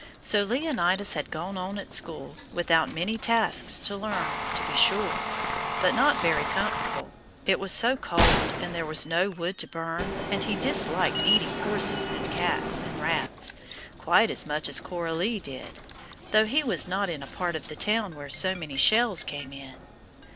So Leonidas had gone on at school without many tasks to learn, to be sure, but not very comfortable: it was so cold, and there was no wood to burn; and he disliked eating horses and cats and rats, quite as much as Coralie did, though he was not in a part of the town where so many shells came in.